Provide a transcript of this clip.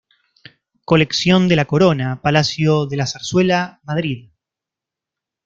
Colección de la Corona, Palacio de la Zarzuela, Madrid.